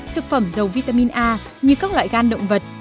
thực phẩm dầu vitamin a như các loại gan động vật